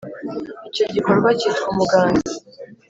icyo gikorwa cyitwa umuganda: